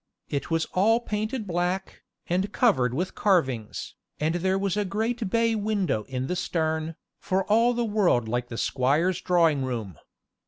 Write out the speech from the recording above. It was all painted black, and covered with carvings, and there was a great bay window in the stern, for all the world like the squire's drawing room.